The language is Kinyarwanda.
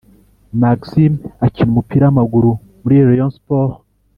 maxim akina umupira wamaguru muri Rayon sport